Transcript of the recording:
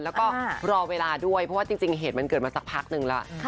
แล้วก็รอเวลาด้วยเพราะว่าจริงเหตุมันเกิดมาสักพักนึงแล้ว